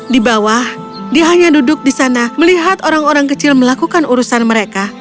di bawah dia hanya duduk di sana melihat orang orang kecil melakukan urusan mereka